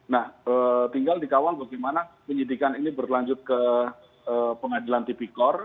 nah tinggal dikawal bagaimana penyidikan ini berlanjut ke pengadilan tipikor